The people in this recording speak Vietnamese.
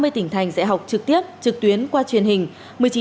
ba mươi tỉnh thành dạy học trực tiếp trực tuyến qua truyền hình